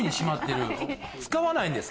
使わないんですか？